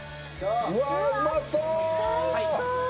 うわうまそう。